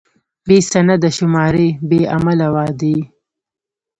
بې سنده شمارې، بې عمله وعدې.